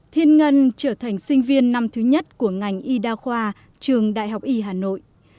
thiên ngân trở thành sinh viên năm thứ nhất của ngành y đa khoa trường đại học y hà nội